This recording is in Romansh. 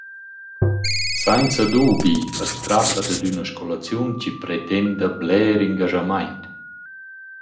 Sainza dubi as tratta dad üna scolaziun chi pretenda bler ingaschamaint.